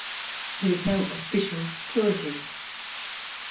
There is no official cruelty.